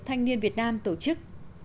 thanh niên việt nam tổ chức